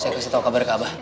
saya kasih tau kabar ke abah